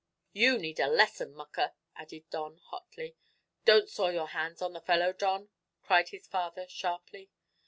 "You need a lesson, mucker," added Don, hotly. "Don't soil your hands on the fellow, Don," cried his father, sharply.